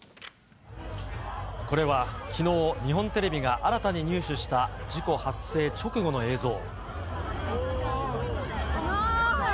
これはきのう、日本テレビが新たに入手した事故発生直後の映像。